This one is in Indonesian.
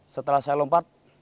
setelah saya lompat